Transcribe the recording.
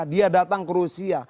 dia datang ke rusia